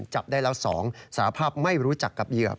จับได้แล้ว๒สาภาพไม่รู้จักกับเหยื่อ